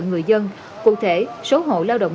người dân cụ thể số hộ lao động